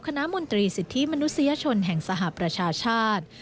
มนตรีสิทธิมนุษยชนแห่งสหประชาชาติ